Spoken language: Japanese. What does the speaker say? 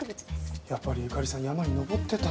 やっぱりゆかりさん山に登ってたんだ。